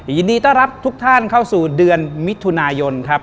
ยินดีต้อนรับทุกท่านเข้าสู่เดือนมิถุนายนครับ